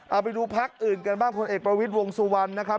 เอาไปดูพักอื่นกันบ้างพลเอกประวิทย์วงสุวรรณนะครับ